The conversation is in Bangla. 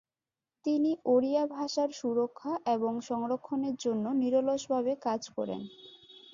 তিনি ওড়িয়া ভাষার সুরক্ষা এবং সংরক্ষণের জন্য নিরলসভাবে কাজ করেন।